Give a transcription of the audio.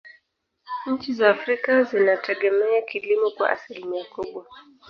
nchi za afrika zinategemea kilimo kwa asilimia kubwa